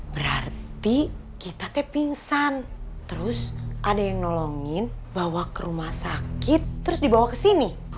berarti kita teh pingsan terus ada yang nolongin bawa ke rumah sakit terus dibawa ke sini